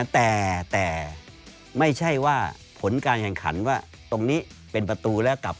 แต่ไม่ใช่ว่าผลการแข่งขันว่าตรงนี้เป็นประตูแล้วกลับ